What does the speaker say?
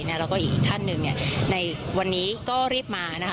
เนี่ยแล้วก็อีกท่านหนึ่งเนี่ยในวันนี้ก็รีบมานะคะ